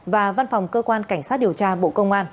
và văn phòng cơ quan cảnh sát điều tra bộ công an